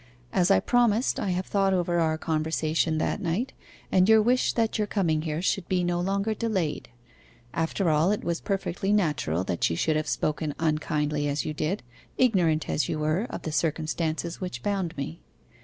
'As I promised, I have thought over our conversation that night, and your wish that your coming here should be no longer delayed. After all, it was perfectly natural that you should have spoken unkindly as you did, ignorant as you were of the circumstances which bound me.